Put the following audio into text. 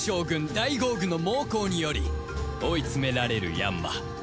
ダイゴーグの猛攻により追い詰められるヤンマ